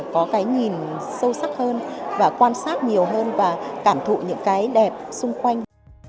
có cái nhìn sâu sắc hơn và quan sát nhiều hơn và cảm thụ những cái đẹp xung quanh